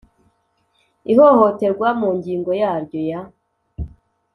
ihohoterwa mu ngingo yaryo ya